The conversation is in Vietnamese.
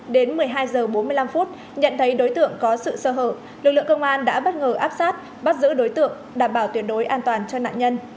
đến một mươi hai h bốn mươi năm nhận thấy đối tượng có sự sơ hở lực lượng công an đã bất ngờ áp sát bắt giữ đối tượng đảm bảo tuyệt đối an toàn cho nạn nhân